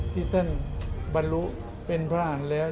ที่ท่านบรรลุเป็นพระอันแล้ว